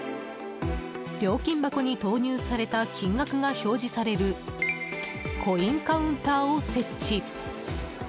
料金箱に投入された金額が表示されるコインカウンターを設置。